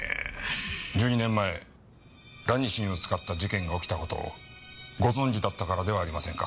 １２年前ラニシンを使った事件が起きた事をご存じだったからではありませんか？